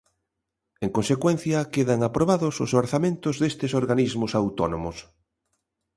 En consecuencia, quedan aprobados os orzamentos destes organismos autónomos.